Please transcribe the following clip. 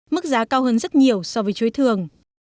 mức giá cao hơn rất nhiều so với chuối thường